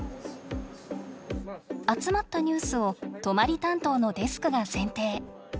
集まったニュースを泊まり担当のデスクが選定。